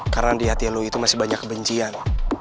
karena di hati lo itu masih banyak kebencian